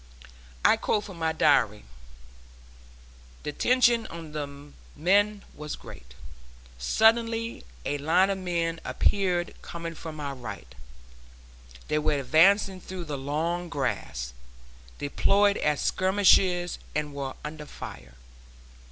I quote from my diary: "The tension on the men was great. Suddenly a line of men appeared coming from our right. They were advancing through the long grass, deployed as skirmishers and were under fire.